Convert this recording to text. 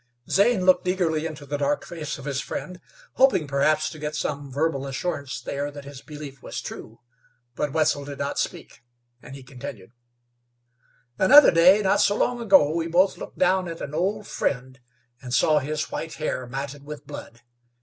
Zane looked eagerly into the dark face of his friend, hoping perhaps to get some verbal assurance there that his belief was true. But Wetzel did not speak, and he continued: "Another day not so long ago we both looked down at an old friend, and saw his white hair matted with blood.